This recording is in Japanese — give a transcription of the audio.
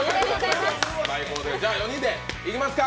じゃあ、４人でいきますか。